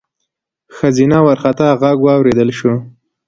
ښځينه وارخطا غږ واورېدل شو: